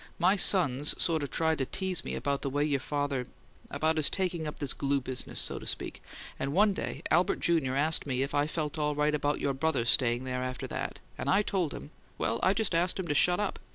My sons sort of tried to tease me about the way your father about his taking up this glue business, so to speak and one day Albert, Junior, asked me if I felt all right about your brother's staying there after that, and I told him well, I just asked him to shut up.